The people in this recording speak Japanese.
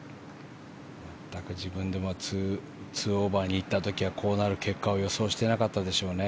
自分でも２オーバー行った時はこうなる結果を予想していなかったでしょうね。